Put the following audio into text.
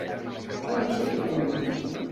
Va néixer a Catalunya?